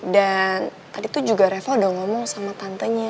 dan tadi tuh juga reva udah ngomong sama tantenya